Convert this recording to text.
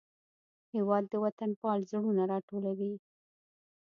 هېواد د وطنپال زړونه راټولوي.